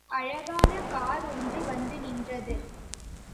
அழகான கார் ஒன்று வந்து நின்றது.